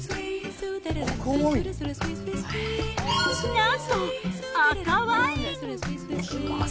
なんと赤ワイン！